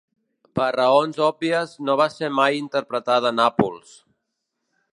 Per raons òbvies, no va ser mai interpretada a Nàpols.